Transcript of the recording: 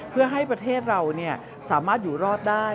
เพื่อให้ประเทศเราสามารถอยู่รอดได้